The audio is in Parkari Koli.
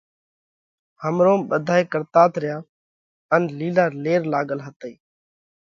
همروم ٻڌائي ڪرتات ريا ان لِيلا لير لاڳل هتئِي۔